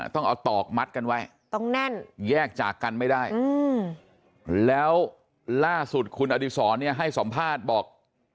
ต้องเอาตอกมัดกันไว้ต้องแน่นแยกจากกันไม่ได้แล้วล่าสุดคุณอดีศรเนี่ยให้สัมภาษณ์บอก